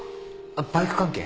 バイク関係？